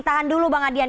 tahan dulu bang adian